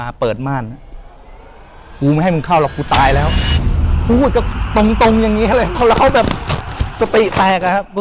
ไอเก๊อปวิ่งหนีเลย